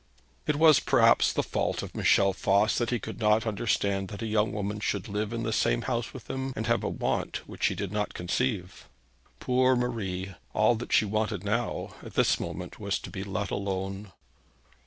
It was perhaps the fault of Michel Voss that he could not understand that a young woman should live in the same house with him, and have a want which he did not conceive. Poor Marie! All that she wanted now, at this moment, was to be let alone!